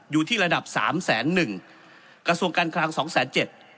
อยู่ที่ระดับสามแสนหนึ่งกระทรวงการคลังสองแสนเจ็ด